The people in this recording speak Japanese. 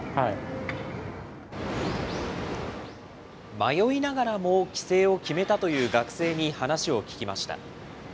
迷いながらも、帰省を決めたという学生に話を聞きました。